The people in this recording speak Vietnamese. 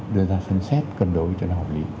đưa ra sân xét cân đối cho nó hợp lý